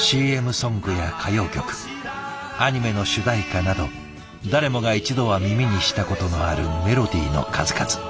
ＣＭソングや歌謡曲アニメの主題歌など誰もが一度は耳にしたことのあるメロディーの数々。